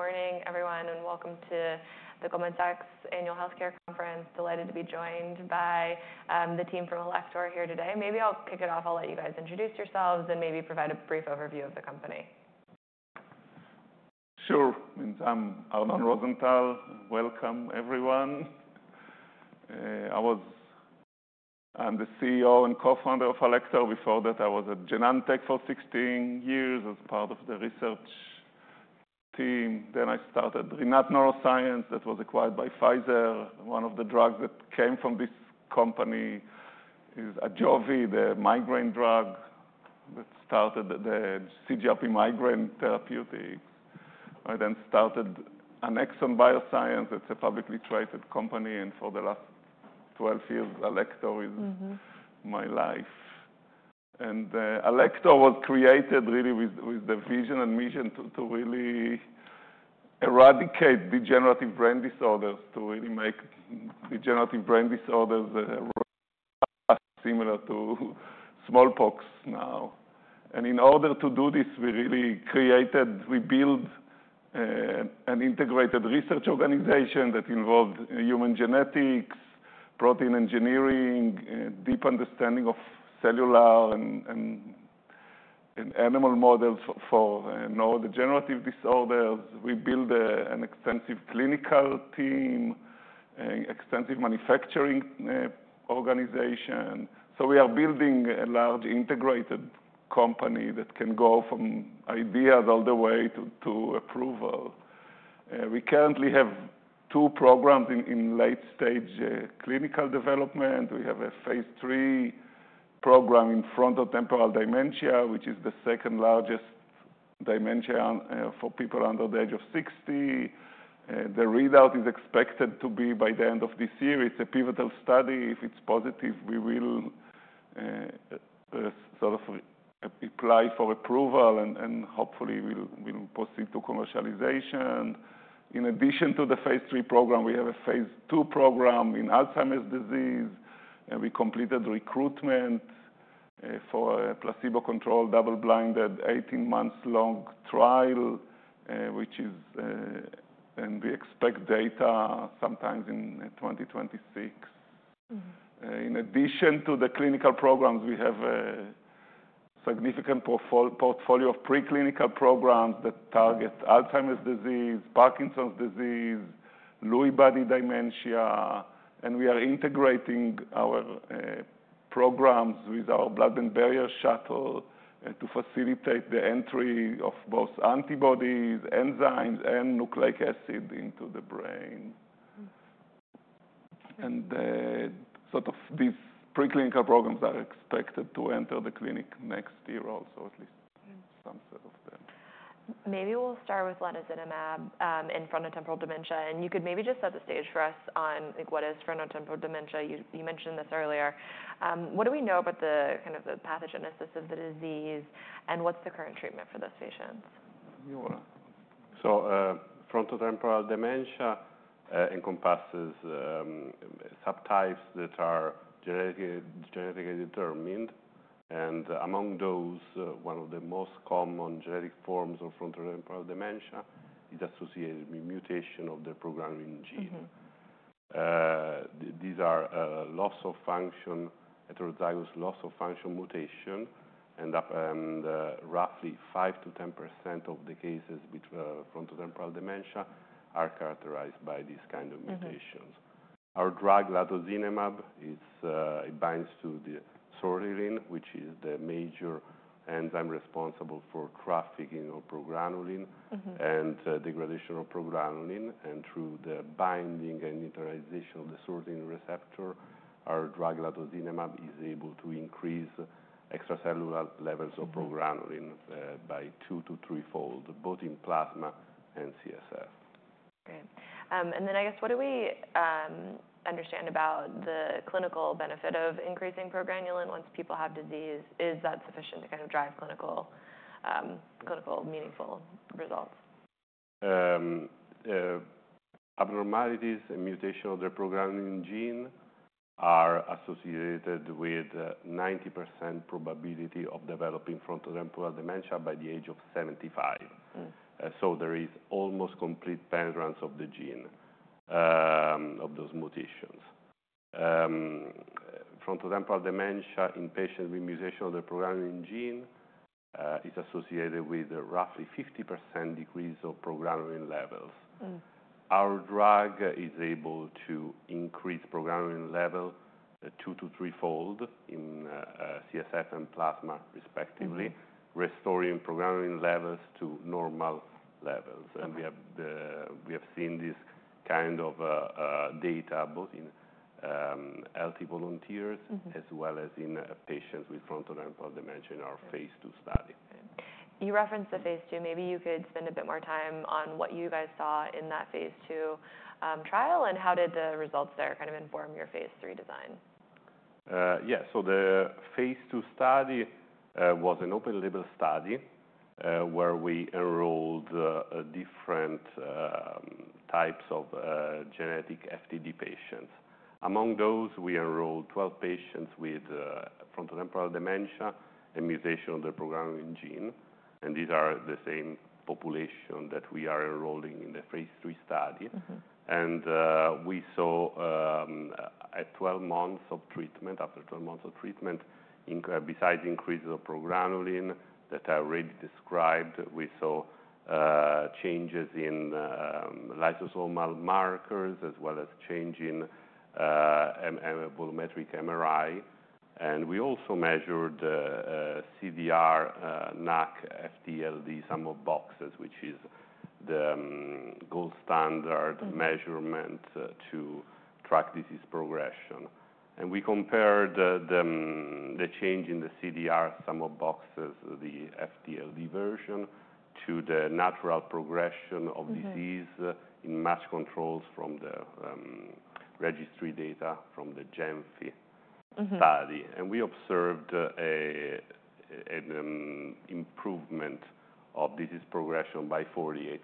All right. Good morning, everyone, and welcome to the Goldman Sachs Annual Healthcare Conference. Delighted to be joined by the team from Alector here today. Maybe I'll kick it off. I'll let you guys introduce yourselves and maybe provide a brief overview of the company. Sure. I'm Arnon Rosenthal. Welcome, everyone. I was the CEO and co-founder of Alector. Before that, I was at Genentech for 16 years as part of the research team. Then I started Rinat Neuroscience that was acquired by Pfizer. One of the drugs that came from this company is Ajovy, the migraine drug that started the CGRP migraine therapeutics. I then started Annexon Bioscience. It's a publicly traded company. For the last 12 years, Alector is my life. Alector was created really with the vision and mission to really eradicate degenerative brain disorders, to really make degenerative brain disorders similar to smallpox now. In order to do this, we really created, we built an integrated research organization that involved human genetics, protein engineering, deep understanding of cellular and animal models for neurodegenerative disorders. We built an extensive clinical team, extensive manufacturing organization. We are building a large integrated company that can go from ideas all the way to approval. We currently have two programs in late-stage clinical development. We have a phase three program in frontotemporal dementia, which is the second largest dementia for people under the age of 60. The readout is expected to be by the end of this year. It is a pivotal study. If it is positive, we will sort of apply for approval, and hopefully we will proceed to commercialization. In addition to the phase three program, we have a phase two program in Alzheimer's disease. We completed recruitment for a placebo-controlled double-blinded 18-month-long trial, and we expect data sometime in 2026. In addition to the clinical programs, we have a significant portfolio of preclinical programs that target Alzheimer's disease, Parkinson's disease, Lewy body dementia. We are integrating our programs with our blood-brain barrier shuttle to facilitate the entry of both antibodies, enzymes, and nucleic acid into the brain. These preclinical programs are expected to enter the clinic next year also, at least some set of them. Maybe we'll start with latozinemab in frontotemporal dementia. You could maybe just set the stage for us on what is frontotemporal dementia. You mentioned this earlier. What do we know about the kind of the pathogenesis of the disease, and what's the current treatment for those patients? Sure. Frontotemporal dementia encompasses subtypes that are genetically determined. Among those, one of the most common genetic forms of frontotemporal dementia is associated with mutation of the progranulin gene. These are loss of function, heterozygous loss of function mutations. Roughly 5%-10% of the cases with frontotemporal dementia are characterized by these kinds of mutations. Our drug latozinemab binds to sortilin, which is the major enzyme responsible for trafficking of progranulin and degradation of progranulin. Through the binding and neutralization of the sortilin receptor, our drug latozinemab is able to increase extracellular levels of progranulin by two- to threefold, both in plasma and CSF. Great. I guess what do we understand about the clinical benefit of increasing progranulin once people have disease? Is that sufficient to kind of drive clinical meaningful results? Abnormalities and mutation of the progranulin gene are associated with a 90% probability of developing frontotemporal dementia by the age of 75. There is almost complete penetrance of the gene of those mutations. Frontotemporal dementia in patients with mutation of the progranulin gene is associated with a roughly 50% decrease of progranulin levels. Our drug is able to increase progranulin level two- to threefold in CSF and plasma, respectively, restoring progranulin levels to normal levels. We have seen this kind of data both in healthy volunteers as well as in patients with frontotemporal dementia in our phase two study. You referenced the phase two. Maybe you could spend a bit more time on what you guys saw in that phase two trial and how did the results there kind of inform your phase three design? Yeah. The phase two study was an open-label study where we enrolled different types of genetic FTD patients. Among those, we enrolled 12 patients with frontotemporal dementia and mutation of the progranulin gene. These are the same population that we are enrolling in the phase three study. We saw at 12 months of treatment, after 12 months of treatment, besides increases of progranulin that are already described, we saw changes in lysosomal markers as well as change in volumetric MRI. We also measured CDR NACC FTLD sum of boxes, which is the gold standard measurement to track disease progression. We compared the change in the CDR sum of boxes, the FTLD version, to the natural progression of disease in matched controls from the registry data from the GEMFI study. We observed an improvement of disease progression by 48%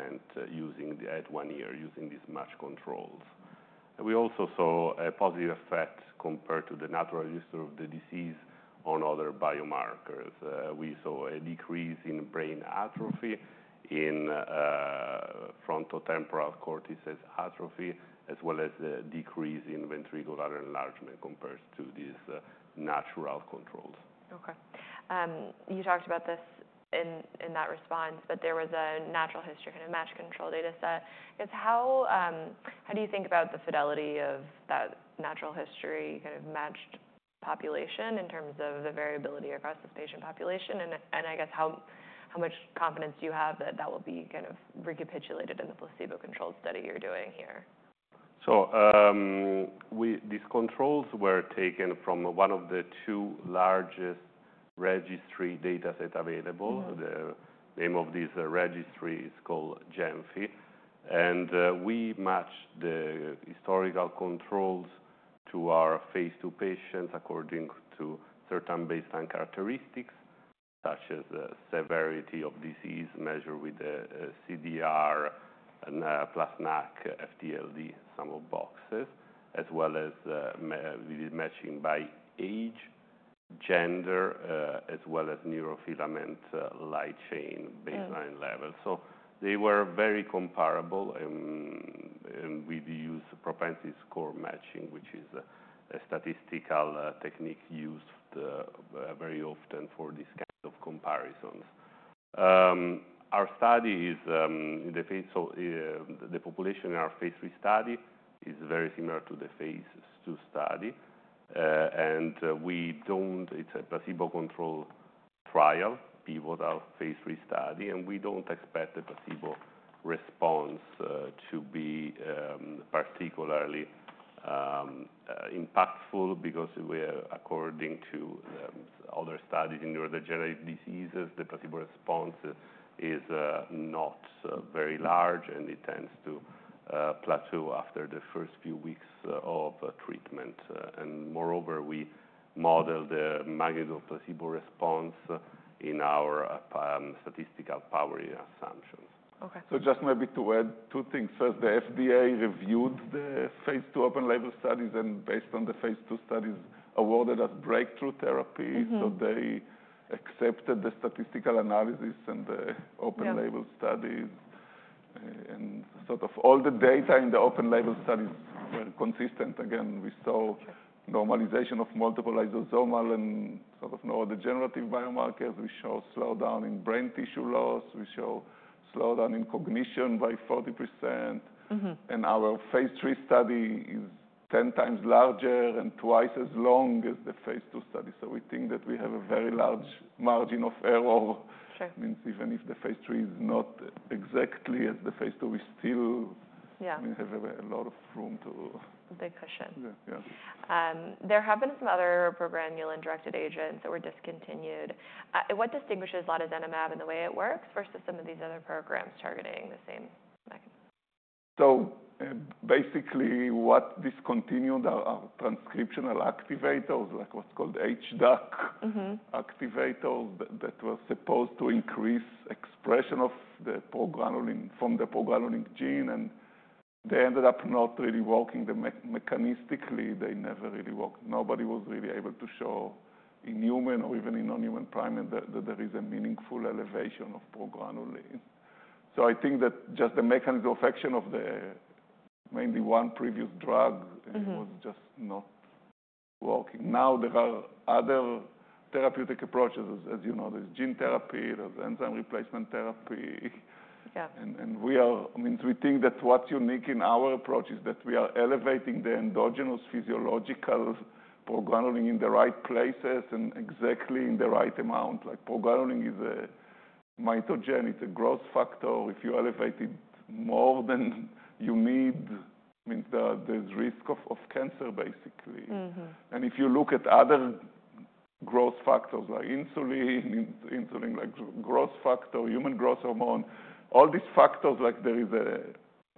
at one year using these matched controls. We also saw a positive effect compared to the natural history of the disease on other biomarkers. We saw a decrease in brain atrophy, in frontotemporal cortices atrophy, as well as a decrease in ventricular enlargement compared to these natural controls. Okay. You talked about this in that response, but there was a natural history kind of matched control data set. I guess how do you think about the fidelity of that natural history kind of matched population in terms of the variability across this patient population? I guess how much confidence do you have that that will be kind of recapitulated in the placebo-controlled study you're doing here? These controls were taken from one of the two largest registry data sets available. The name of this registry is called GEMFI. We matched the historical controls to our phase two patients according to certain baseline characteristics, such as severity of disease measured with the CDR NACC FTLD sum of boxes, as well as matching by age, gender, as well as neurofilament light chain baseline levels. They were very comparable. We use propensity score matching, which is a statistical technique used very often for these kinds of comparisons. Our study is in the phase, the population in our phase three study is very similar to the phase two study. We do not, it is a placebo-controlled trial, pivotal phase three study. We do not expect the placebo response to be particularly impactful because according to other studies in neurodegenerative diseases, the placebo response is not very large, and it tends to plateau after the first few weeks of treatment. Moreover, we model the magnitude of placebo response in our statistical power assumptions. Okay. Just maybe to add two things. First, the FDA reviewed the phase two open-label studies and based on the phase two studies awarded us breakthrough therapy. They accepted the statistical analysis and the open-label studies. All the data in the open-label studies were consistent. Again, we saw normalization of multiple lysosomal and neurodegenerative biomarkers. We showed slowdown in brain tissue loss. We showed slowdown in cognition by 40%. Our phase three study is 10 times larger and twice as long as the phase two study. We think that we have a very large margin of error. Sure. Means even if the phase three is not exactly as the phase two, we still have a lot of room to. The cushion. Yeah. There have been some other progranulin-directed agents that were discontinued. What distinguishes latozinemab in the way it works versus some of these other programs targeting the same mechanism? Basically, what discontinued are transcriptional activators, like what's called HDAC activators that were supposed to increase expression of the progranulin from the progranulin gene. They ended up not really working mechanistically. They never really worked. Nobody was really able to show in human or even in non-human primates that there is a meaningful elevation of progranulin. I think that just the mechanism of action of the mainly one previous drug was just not working. Now there are other therapeutic approaches, as you know, there's gene therapy, there's enzyme replacement therapy. We think that what's unique in our approach is that we are elevating the endogenous physiological progranulin in the right places and exactly in the right amount. Like progranulin is a mitogenic growth factor. If you elevate it more than you need, there's risk of cancer, basically. If you look at other growth factors like insulin, insulin like growth factor, human growth hormone, all these factors, there is a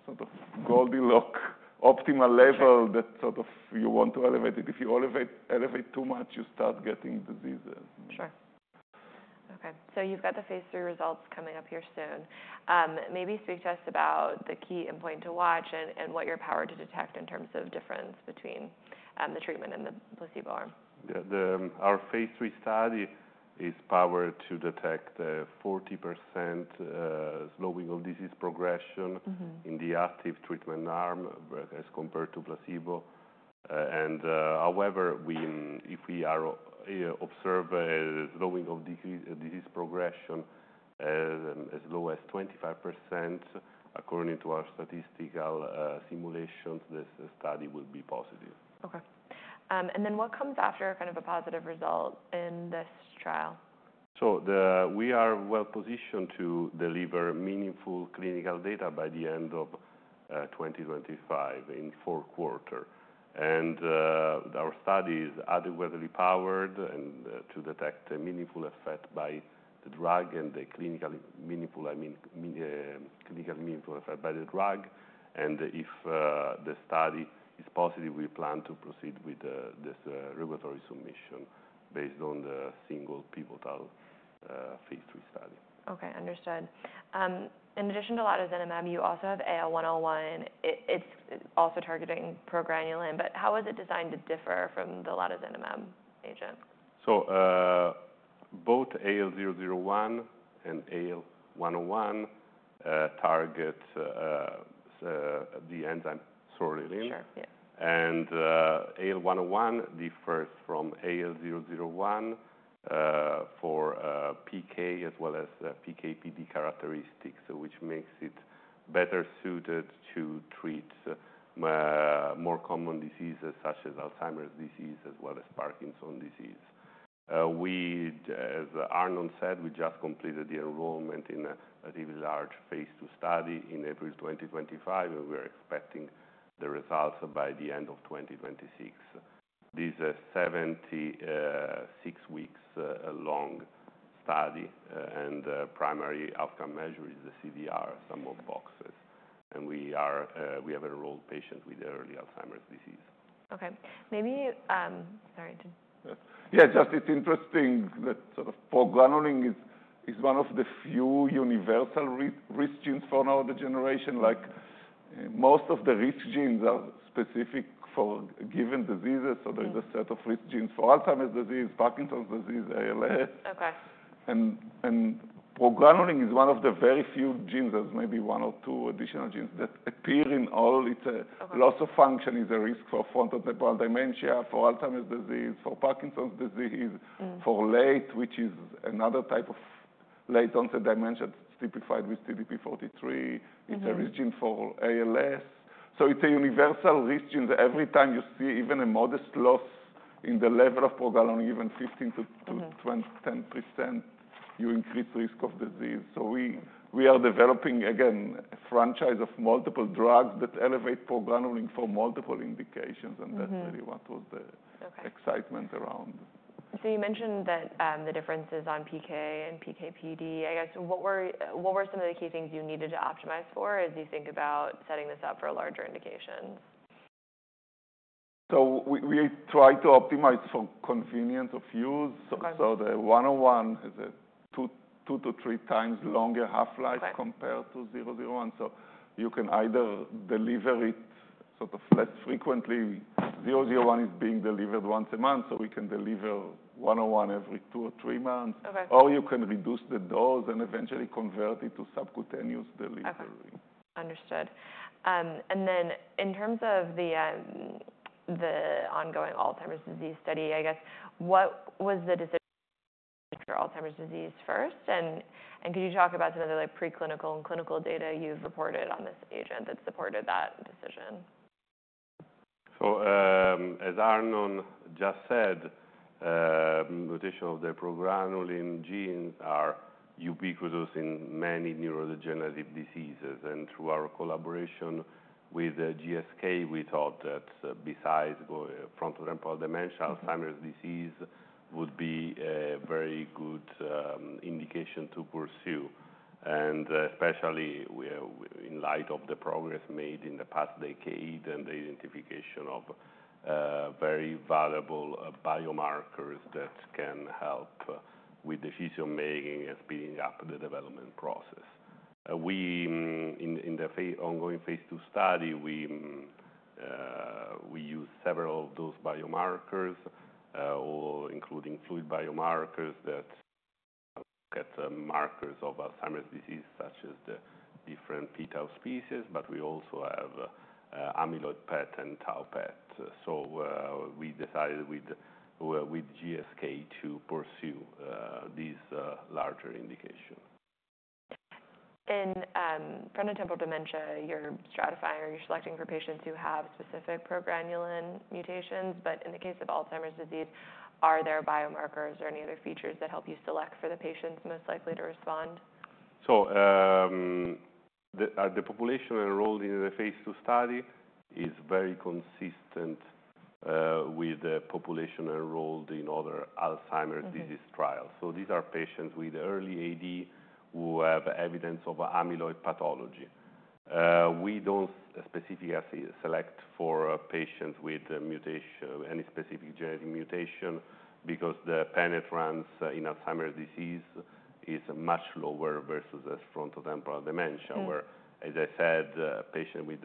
sort of Goldilocks optimal level that you want to elevate. If you elevate too much, you start getting diseases. Sure. Okay. So you've got the phase three results coming up here soon. Maybe speak to us about the key endpoint to watch and what you're powered to detect in terms of difference between the treatment and the placebo arm? Yeah. Our phase three study is powered to detect the 40% slowing of disease progression in the active treatment arm as compared to placebo. However, if we observe a slowing of disease progression as low as 25%, according to our statistical simulations, this study will be positive. Okay. What comes after kind of a positive result in this trial? We are well positioned to deliver meaningful clinical data by the end of 2025 in four quarters. Our study is adequately powered to detect a meaningful effect by the drug and a clinically meaningful effect by the drug. If the study is positive, we plan to proceed with this regulatory submission based on the single pivotal phase three study. Okay. Understood. In addition to latozinemab, you also have AL-101. It's also targeting progranulin. How is it designed to differ from the latozinemab agent? Both AL-001 and AL-101 target the enzyme sortilin. Sure. Yeah. AL-101 differs from AL-001 for PK as well as PKPD characteristics, which makes it better suited to treat more common diseases such as Alzheimer's disease as well as Parkinson's disease. As Arnon said, we just completed the enrollment in a relatively large phase two study in April 2025, and we are expecting the results by the end of 2026. This is a 76-week-long study, and the primary outcome measure is the CDR sum of boxes. We have enrolled patients with early Alzheimer's disease. Okay. Maybe sorry to. Yeah. Just it's interesting that sort of progranulin is one of the few universal risk genes for neurodegeneration. Like most of the risk genes are specific for given diseases. There is a set of risk genes for Alzheimer's disease, Parkinson's disease, ALS. Okay. Progranulin is one of the very few genes, maybe one or two additional genes that appear in all. Its loss of function is a risk for frontotemporal dementia, for Alzheimer's disease, for Parkinson's disease, for late, which is another type of late-onset dementia typified with CDP43. It is a risk gene for ALS. It is a universal risk gene. Every time you see even a modest loss in the level of progranulin, even 15%-10%, you increase risk of disease. We are developing, again, a franchise of multiple drugs that elevate progranulin for multiple indications. That is really what was the excitement around. You mentioned that the difference is on PK and PKPD. I guess what were some of the key things you needed to optimize for as you think about setting this up for larger indications? We tried to optimize for convenience of use. The 101 is a two to three times longer half-life compared to 001. You can either deliver it less frequently. 001 is being delivered once a month, so we can deliver 101 every two or three months. Or you can reduce the dose and eventually convert it to subcutaneous delivery. Okay. Understood. In terms of the ongoing Alzheimer's disease study, I guess what was the decision for Alzheimer's disease first? Could you talk about some of the preclinical and clinical data you've reported on this agent that supported that decision? As Arnon just said, mutation of the progranulin genes are ubiquitous in many neurodegenerative diseases. Through our collaboration with GSK, we thought that besides frontotemporal dementia, Alzheimer's disease would be a very good indication to pursue, especially in light of the progress made in the past decade and the identification of very valuable biomarkers that can help with decision-making and speeding up the development process. In the ongoing phase two study, we used several of those biomarkers, including fluid biomarkers that look at markers of Alzheimer's disease such as the different pTau species, but we also have amyloid PET and tau PET. We decided with GSK to pursue these larger indications. In frontotemporal dementia, you're stratifying or you're selecting for patients who have specific progranulin mutations. In the case of Alzheimer's disease, are there biomarkers or any other features that help you select for the patients most likely to respond? The population enrolled in the phase two study is very consistent with the population enrolled in other Alzheimer's disease trials. These are patients with early AD who have evidence of amyloid pathology. We do not specifically select for patients with any specific genetic mutation because the penetrance in Alzheimer's disease is much lower versus frontotemporal dementia, where, as I said, a patient with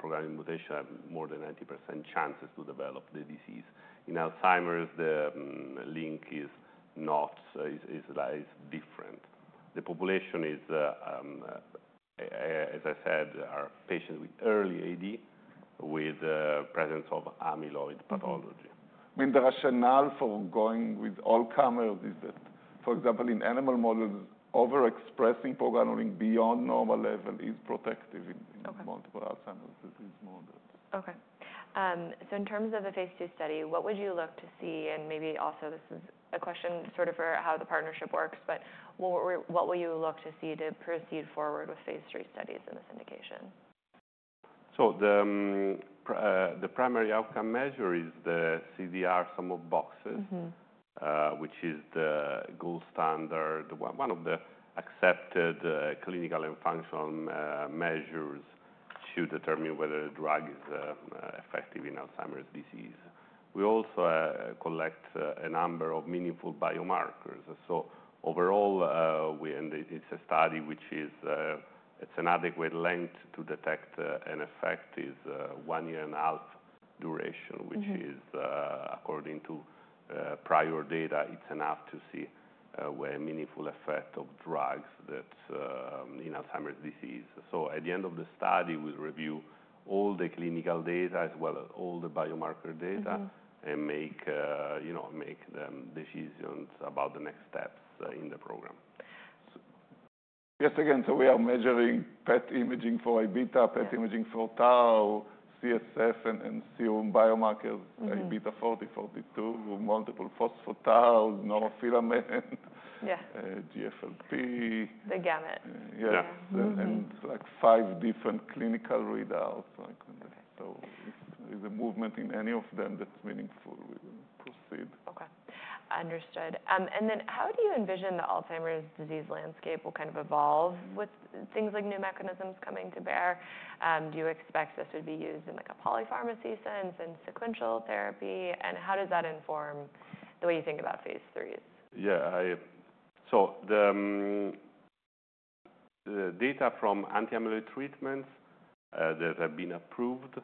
progranulin mutation has more than 90% chances to develop the disease. In Alzheimer's, the link is different. The population is, as I said, patients with early AD with presence of amyloid pathology. I mean, the rationale for going with Alzheimer's is that, for example, in animal models, overexpressing progranulin beyond normal level is protective in multiple Alzheimer's disease models. Okay. In terms of the phase two study, what would you look to see? Maybe also this is a question sort of for how the partnership works, but what will you look to see to proceed forward with phase three studies in this indication? The primary outcome measure is the CDR sum of boxes, which is the gold standard, one of the accepted clinical and functional measures to determine whether a drug is effective in Alzheimer's disease. We also collect a number of meaningful biomarkers. Overall, it's a study which is an adequate length to detect an effect, it is one and a half years duration, which is, according to prior data, enough to see a meaningful effect of drugs in Alzheimer's disease. At the end of the study, we review all the clinical data as well as all the biomarker data and make decisions about the next steps in the program. Yes. Again, we are measuring PET imaging for Aβ, PET imaging for tau, CSF and serum biomarkers, Aβ40/42, multiple phospho-tau, neurofilament, GFAP. The gamut. Yes. Like five different clinical readouts. If there's a movement in any of them that's meaningful, we proceed. Okay. Understood. How do you envision the Alzheimer's disease landscape will kind of evolve with things like new mechanisms coming to bear? Do you expect this would be used in like a polypharmacy sense and sequential therapy? How does that inform the way you think about phase threes? Yeah. So the data from anti-amyloid treatments that have been approved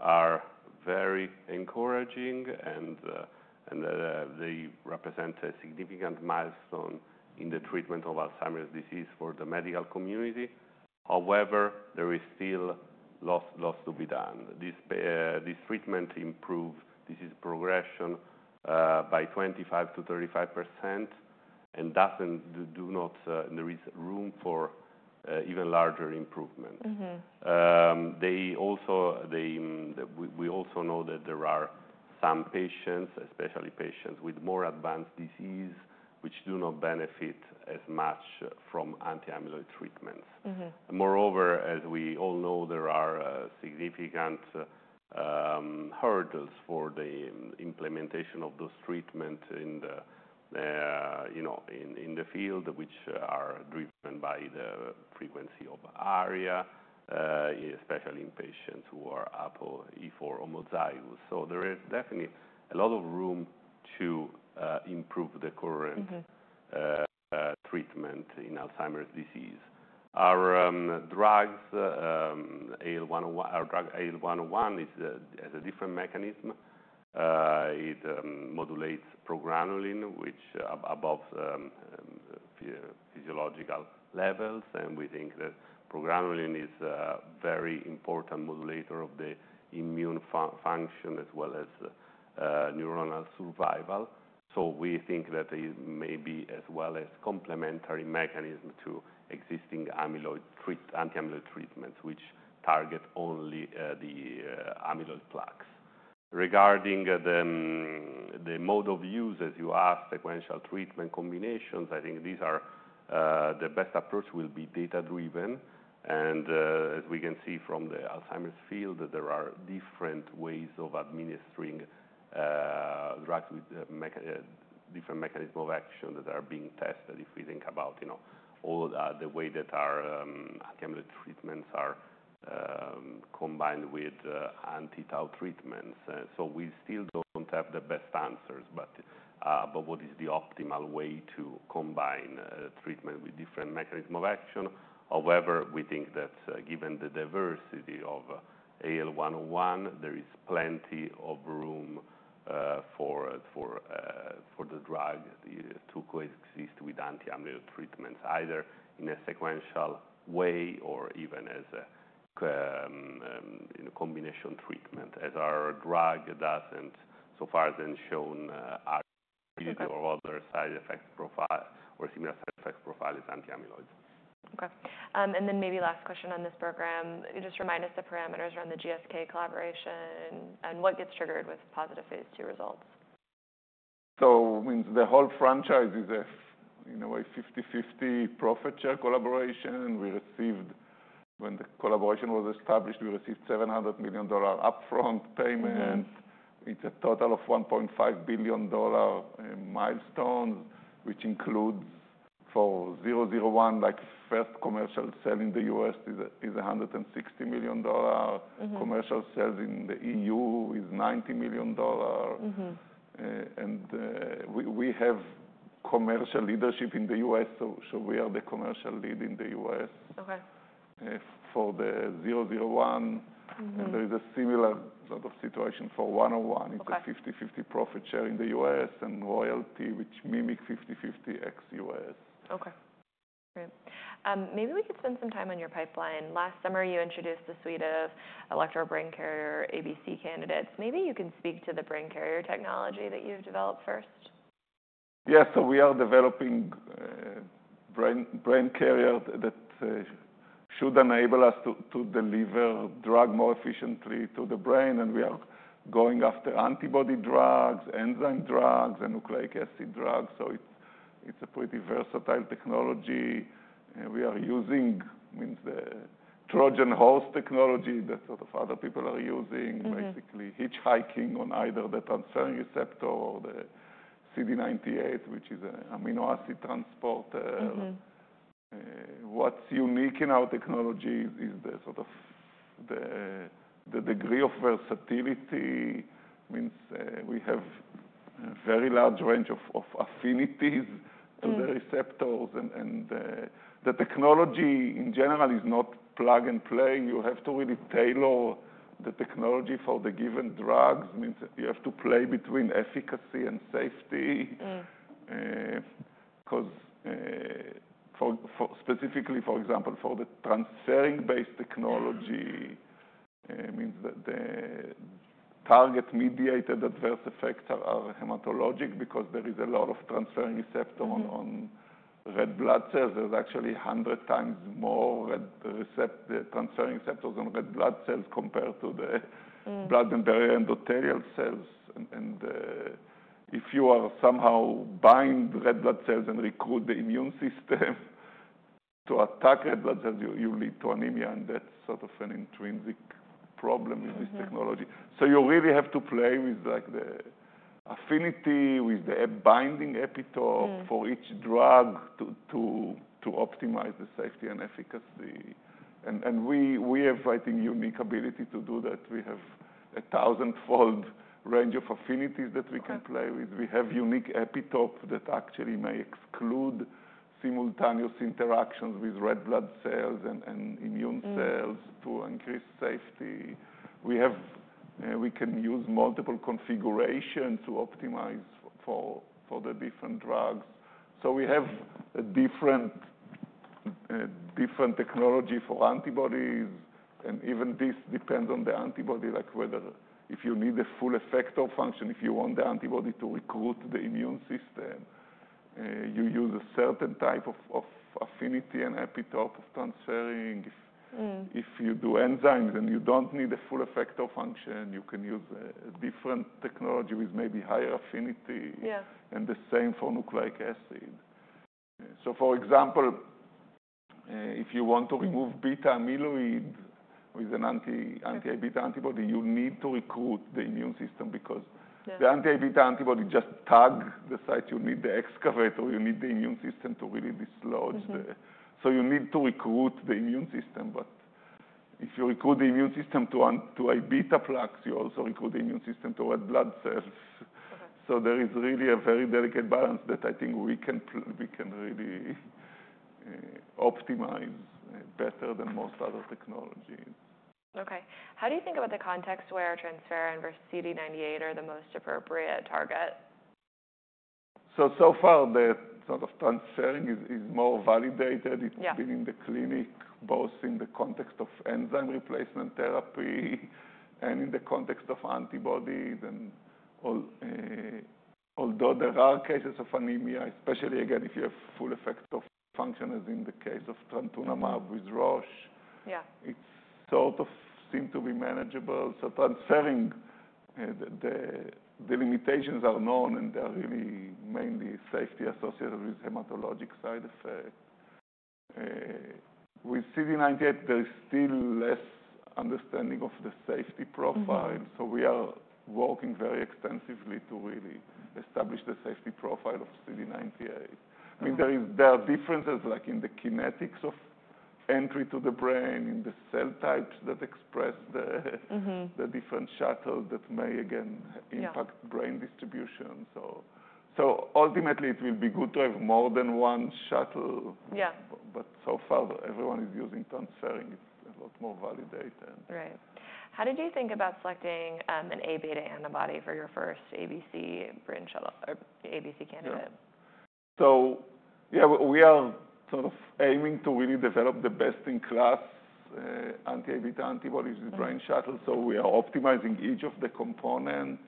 are very encouraging, and they represent a significant milestone in the treatment of Alzheimer's disease for the medical community. However, there is still lots to be done. This treatment improves disease progression by 25%-35% and does not, there is room for even larger improvement. We also know that there are some patients, especially patients with more advanced disease, which do not benefit as much from anti-amyloid treatments. Moreover, as we all know, there are significant hurdles for the implementation of those treatments in the field, which are driven by the frequency of ARIA, especially in patients who are ApoE4 homozygous. There is definitely a lot of room to improve the current treatment in Alzheimer's disease. Our drug AL-101 has a different mechanism. It modulates progranulin, which aboves physiological levels. We think that progranulin is a very important modulator of the immune function as well as neuronal survival. We think that it may be as well as a complementary mechanism to existing anti-amyloid treatments, which target only the amyloid plaques. Regarding the mode of use, as you asked, sequential treatment combinations, I think the best approach will be data-driven. As we can see from the Alzheimer's field, there are different ways of administering drugs with different mechanisms of action that are being tested. If we think about the way that anti-amyloid treatments are combined with anti-tau treatments, we still do not have the best answers, but what is the optimal way to combine treatment with different mechanisms of action? However, we think that given the diversity of AL-101, there is plenty of room for the drug to coexist with anti-amyloid treatments, either in a sequential way or even as a combination treatment, as our drug does not, so far as I am shown, or other side effect profile or similar side effect profile as anti-amyloid. Okay. Maybe last question on this program, just remind us the parameters around the GSK collaboration and what gets triggered with positive phase two results? The whole franchise is in a way 50/50 profit-share collaboration. When the collaboration was established, we received $700 million upfront payment. It is a total of $1.5 billion milestones, which includes for 001, like first commercial sale in the U.S. is $160 million. Commercial sales in the EU is $90 million. We have commercial leadership in the U.S., so we are the commercial lead in the U.S. for the 001. There is a similar sort of situation for 101. It is a 50/50 profit-share in the U.S. and royalty, which mimic 50/50 ex-U.S. Okay. Great. Maybe we could spend some time on your pipeline. Last summer, you introduced a suite of Alector Brain Carrier ABC candidates. Maybe you can speak to the brain carrier technology that you've developed first? Yes. We are developing brain carrier that should enable us to deliver drug more efficiently to the brain. We are going after antibody drugs, enzyme drugs, and nucleic acid drugs. It is a pretty versatile technology. We are using Trojan horse technology that sort of other people are using, basically hitchhiking on either the transferrin receptor or the CD98, which is an amino acid transporter. What is unique in our technology is the sort of the degree of versatility. I mean, we have a very large range of affinities to the receptors. The technology in general is not plug and play. You have to really tailor the technology for the given drugs. You have to play between efficacy and safety. Because specifically, for example, for the transferrin-based technology, the target-mediated adverse effects are hematologic because there is a lot of transferrin receptor on red blood cells. There's actually 100 times more transferrin receptors on red blood cells compared to the blood and very endothelial cells. If you are somehow binding red blood cells and recruit the immune system to attack red blood cells, you lead to anemia. That is sort of an intrinsic problem in this technology. You really have to play with the affinity, with the binding epitope for each drug to optimize the safety and efficacy. We have, I think, a unique ability to do that. We have a 1,000-fold range of affinities that we can play with. We have unique epitopes that actually may exclude simultaneous interactions with red blood cells and immune cells to increase safety. We can use multiple configurations to optimize for the different drugs. We have a different technology for antibodies. Even this depends on the antibody, like whether if you need a full effector function, if you want the antibody to recruit the immune system, you use a certain type of affinity and epitope of transferrin. If you do enzymes and you do not need a full effector function, you can use a different technology with maybe higher affinity. The same for nucleic acid. For example, if you want to remove beta amyloid with an anti-ibeta antibody, you need to recruit the immune system because the anti-ibeta antibody just tags the site. You need the excavator. You need the immune system to really dislodge the. You need to recruit the immune system. If you recruit the immune system to ibeta plaques, you also recruit the immune system to red blood cells. There is really a very delicate balance that I think we can really optimize better than most other technologies. Okay. How do you think about the context where transferrin and CD98 are the most appropriate target? So far, the sort of transferrin is more validated. It's been in the clinic, both in the context of enzyme replacement therapy and in the context of antibodies. Although there are cases of anemia, especially again, if you have full effector function, as in the case of Trontinemab with Roche, it sort of seemed to be manageable. So transferrin, the limitations are known, and they are really mainly safety associated with hematologic side effects. With CD98, there is still less understanding of the safety profile. We are working very extensively to really establish the safety profile of CD98. I mean, there are differences like in the kinetics of entry to the brain, in the cell types that express the different shuttles that may, again, impact brain distribution. Ultimately, it will be good to have more than one shuttle. So far, everyone is using transferrin. It's a lot more validated. Right. How did you think about selecting an Aβ antibody for your first ABC candidate? Yeah, we are sort of aiming to really develop the best-in-class anti-amyloid beta antibodies with brain shuttles. We are optimizing each of the components.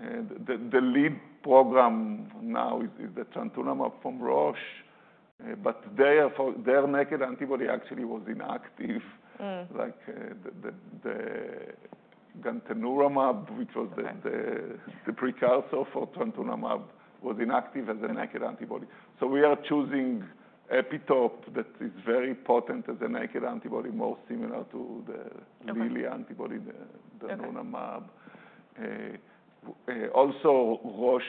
The lead program now is the Trontinemab from Roche. Their naked antibody actually was inactive. The Gantenerumab, which was the precursor for Trontinemab, was inactive as a naked antibody. We are choosing an epitope that is very potent as a naked antibody, more similar to the real antibody, the Trontinemab. Also, Roche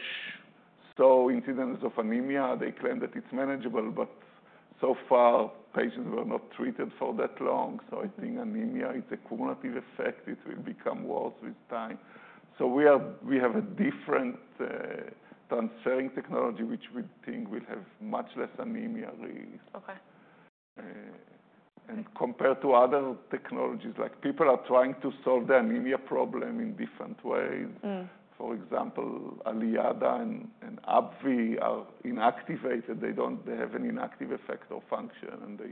saw incidence of anemia. They claimed that it is manageable, but so far, patients were not treated for that long. I think anemia is a cumulative effect. It will become worse with time. We have a different transferrin technology, which we think will have much less anemia risk. Compared to other technologies, people are trying to solve the anemia problem in different ways. For example, Alector and AbbVie are inactivated. They have an inactive effector function. They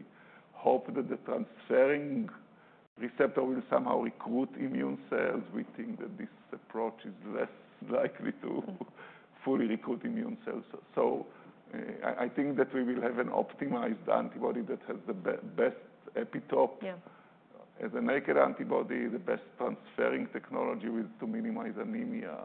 hope that the transferrin receptor will somehow recruit immune cells. We think that this approach is less likely to fully recruit immune cells. I think that we will have an optimized antibody that has the best epitope as a naked antibody, the best transferrin technology to minimize anemia.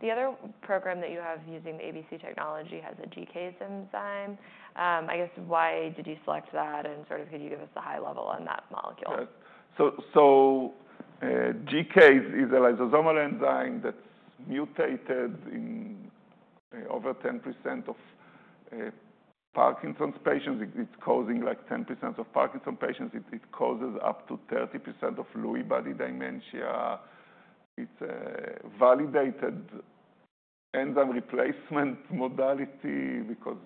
The other program that you have using the ABC technology has a GCase enzyme. I guess, why did you select that? And sort of could you give us the high level on that molecule? GCase is a lysosomal enzyme that's mutated in over 10% of Parkinson's patients. It's causing like 10% of Parkinson's patients. It causes up to 30% of Lewy body dementia. It's a validated enzyme replacement modality because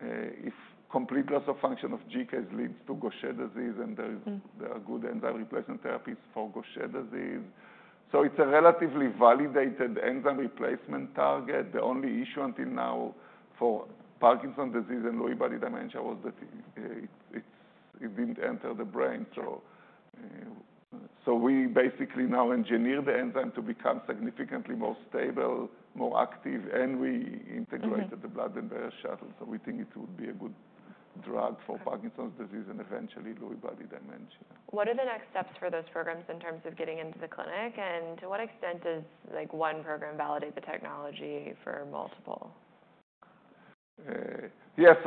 if complete loss of function of GCase leads to Gaucher disease, and there are good enzyme replacement therapies for Gaucher disease. It's a relatively validated enzyme replacement target. The only issue until now for Parkinson's disease and Lewy body dementia was that it didn't enter the brain. We basically now engineered the enzyme to become significantly more stable, more active, and we integrated the blood-brain barrier shuttles. We think it would be a good drug for Parkinson's disease and eventually Lewy body dementia. What are the next steps for those programs in terms of getting into the clinic? To what extent does one program validate the technology for multiple? Yes.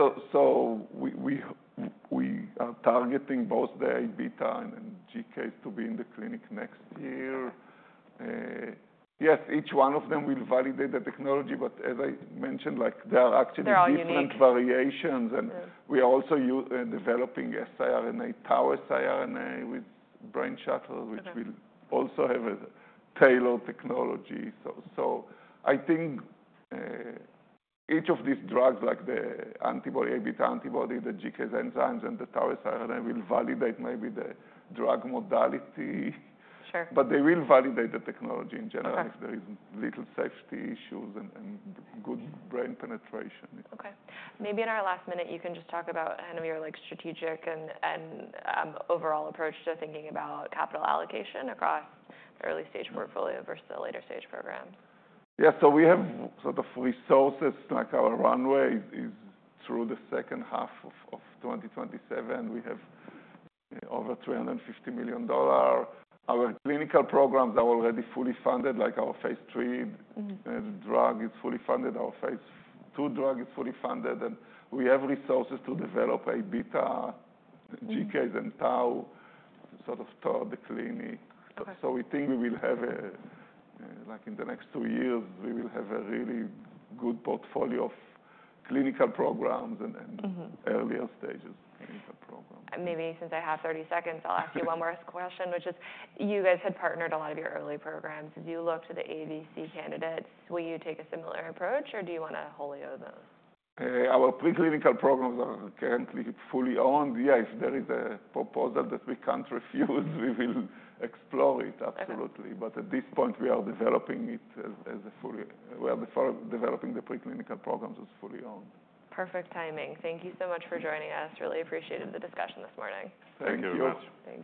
We are targeting both the Aβ and GCase to be in the clinic next year. Yes, each one of them will validate the technology. As I mentioned, there are actually different variations. We are also developing tau siRNA with brain shuttles, which will also have a tailored technology. I think each of these drugs, like the antibody, Aβ antibody, the GCase enzymes, and the tau siRNA, will validate maybe the drug modality. They will validate the technology in general if there are little safety issues and good brain penetration. Okay. Maybe in our last minute, you can just talk about kind of your strategic and overall approach to thinking about capital allocation across the early-stage portfolio versus the later-stage programs. Yeah. So we have sort of resources. Like our runway is through the second half of 2027. We have over $350 million. Our clinical programs are already fully funded. Like our phase three drug is fully funded. Our phase two drug is fully funded. We have resources to develop A beta, GCase, and tau sort of toward the clinic. We think we will have, like in the next two years, we will have a really good portfolio of clinical programs and earlier stages of clinical programs. Maybe since I have 30 seconds, I'll ask you one more question, which is, you guys had partnered a lot of your early programs. As you look to the ABC candidates, will you take a similar approach, or do you want to wholly own them? Our preclinical programs are currently fully owned. Yeah, if there is a proposal that we can't refuse, we will explore it, absolutely. At this point, we are developing the preclinical programs as fully owned. Perfect timing. Thank you so much for joining us. Really appreciated the discussion this morning. Thank you very much.